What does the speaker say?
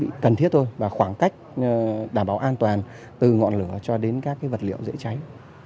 thì cần thiết thôi và khoảng cách đảm bảo an toàn từ ngọn lửa cho đến các vật liệu dễ cháy